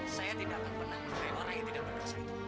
saya tidak akan pernah melarai tidak berdosa itu